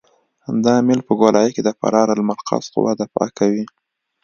دا میل په ګولایي کې د فرار المرکز قوه دفع کوي